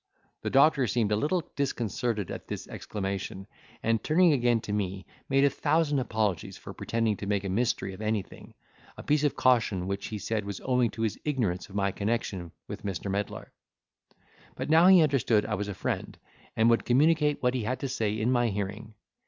The doctor seemed a little disconcerted at this exclamation, and, turning again to me, made a thousand apologies for pretending to make a mystery of anything, a piece of caution which he said was owing to his ignorance of my connection with Mr. Medlar; but now he understood I was a friend, and would communicate what he had to say in my hearing.